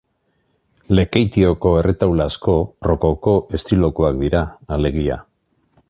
Lekeitioko erretaula asko rokoko estilokoak dira, alegia.